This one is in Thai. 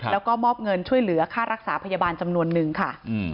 แล้วก็มอบเงินช่วยเหลือค่ารักษาพยาบาลจำนวนนึงค่ะ